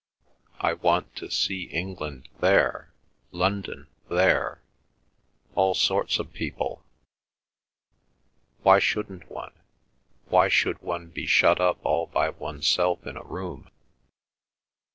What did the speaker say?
I want to see England there—London there—all sorts of people—why shouldn't one? why should one be shut up all by oneself in a room?"